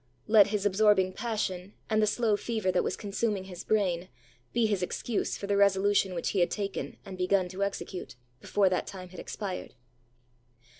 Let his absorbing passion, and the slow fever that was consuming his brain, be his excuse for the resolution which he had taken and begun to execute, before that time had expired.